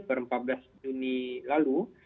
per empat belas juni lalu